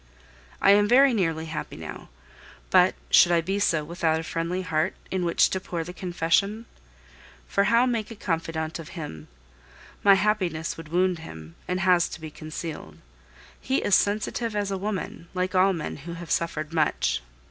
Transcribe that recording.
I am very nearly happy now, but should I be so without a friendly heart in which to pour the confession? For how make a confidant of him? My happiness would wound him, and has to be concealed. He is sensitive as a woman, like all men who have suffered much.